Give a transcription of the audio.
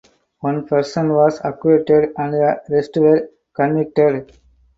One person was acquitted and the rest were convicted.